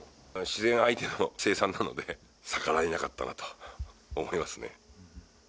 自然相手の生産なので、逆らえなかったなと思いますね。